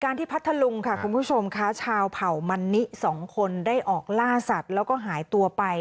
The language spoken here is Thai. ที่พัทธลุงค่ะคุณผู้ชมค่ะชาวเผ่ามันนิสองคนได้ออกล่าสัตว์แล้วก็หายตัวไป